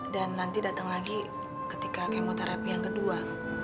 dan nanti datang lagi ketika kemoterapi yang kedua